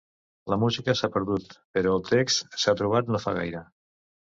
La música s'ha perdut, però el text s'ha trobat no fa gaire.